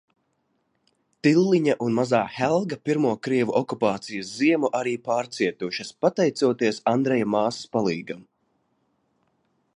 Tilliņa un mazā Helga pirmo krievu okupācijas ziemu arī pārcietušas, pateicoties Andreja māsas palīgam.